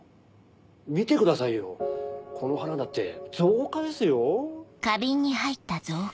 見てくださいよこの花だって造花ですよ。フゥ。